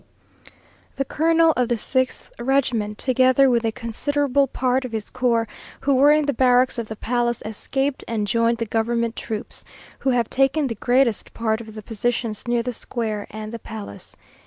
The colonel of the sixth regiment, together with a considerable part of his corps, who were in the barracks of the palace, escaped and joined the government troops, who have taken the greatest part of the positions near the square and the palace.